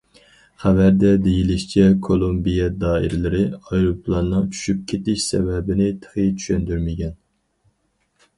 خەۋەردە دېيىلىشىچە، كولومبىيە دائىرىلىرى ئايروپىلاننىڭ چۈشۈپ كېتىش سەۋەبىنى تېخى چۈشەندۈرمىگەن.